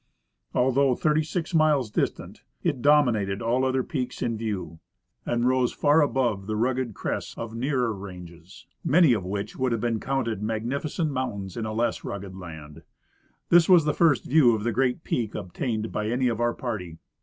Although thirty six miles distant, it dominated all other peaks in view and rose far above 92 I. C. Rmsell— Expedition to Mount St. Elias. the rugged crests of nearer ranges, many of which would hare been counted magnificent mountains in a less rugged land. This was the first view of the great peak obtained by any of our party.